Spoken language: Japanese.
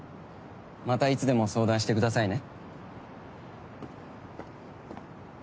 またいつでも相談してくださいね。